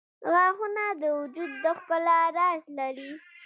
• غاښونه د وجود د ښکلا راز لري.